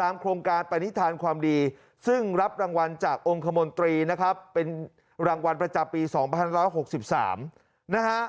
ตามโครงการประนิษฐานความดีซึ่งรับรางวัลจากองค์คมนตรีนะครับเป็นรางวัลประจาปีสองพันธุ์ร้อนหกสิบสามนะฮะ